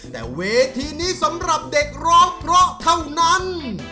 แต่เวทีนี้สำหรับเด็กร้องเพราะเท่านั้น